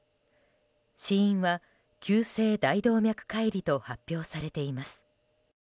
死因は急性大動脈解離と発表されています。